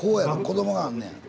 子どもがあんねや。